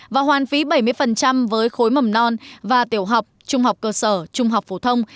và hoàn phí bảy mươi với khối mầm non và tiểu học trung học cơ sở trung học phổ thông